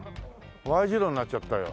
Ｙ字路になっちゃったよ。